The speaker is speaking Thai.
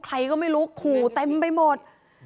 ใครก็ไม่รู้ขู่เต็มไปหมด